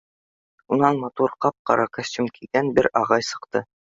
Унан матур, ҡап-ҡара костюм кейгән бер ағай сыҡты.